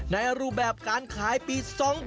รูปแบบการขายปี๒๕๖๒